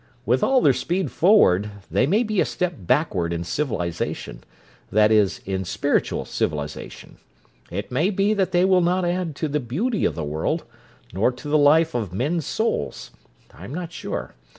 "With all their speed forward they may be a step backward in civilization—that is, in spiritual civilization. It may be that they will not add to the beauty of the world, nor to the life of men's souls. I am not sure.